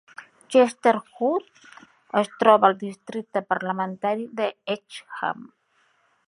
Chesterwood es troba al districte parlamentari de Hexham.